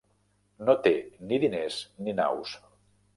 No té ni diners ni naus.